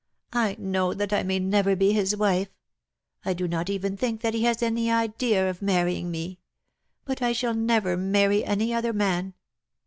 T know that I may never be his wife — I do not even think that he has any idea of marrying me — but I shall never marry any other man.